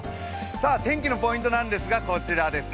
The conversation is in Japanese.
天気のポイントなんですがこちらです。